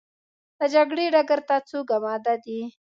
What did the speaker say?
د جګړې ډګر ته څوک اماده دي؟